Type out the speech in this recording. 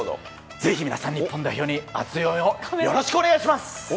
ぜひ皆さん、日本代表に熱い応援をよろしくお願いします。